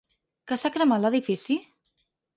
Que s’ha cremat l’edifici?